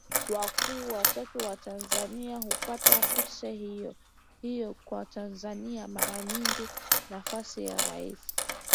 wakuu watatu wa Tanzania kupata fursa hiyoKwa Tanzania mara nyingi nafasi ya Rais